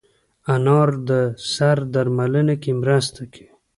انار د سر درملنه کې مرسته کوي.